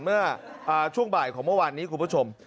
เมื่อช่วงบ่ายของเมื่อวานนี้คุณผู้ชม